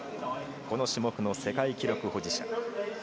この種目の世界記録保持者。